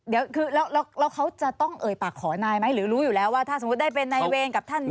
เดี๋ยวคือแล้วเขาจะต้องเอ่ยปากขอนายไหมหรือรู้อยู่แล้วว่าถ้าสมมุติได้เป็นนายเวรกับท่านนี้